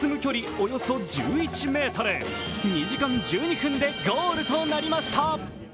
およそ１１ｍ２時間１２分でゴールとなりました。